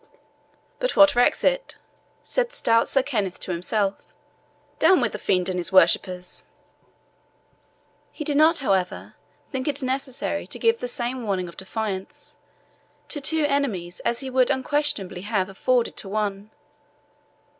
"But what recks it?" said stout Sir Kenneth to himself; "down with the fiend and his worshippers!" He did not, however, think it necessary to give the same warning of defiance to two enemies as he would unquestionably have afforded to one.